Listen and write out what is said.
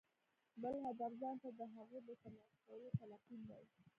بل هدف ځان ته د هغو د ترلاسه کولو تلقين دی.